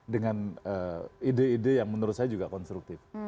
dengan ide ide yang menurut saya juga konstruktif